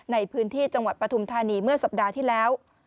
ในพื้นที่จังหวัดปฐุมธานีเมื่อสัปดาห์ที่แล้ว